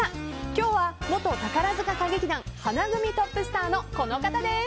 今日は元宝塚歌劇団花組トップスターのこの方です。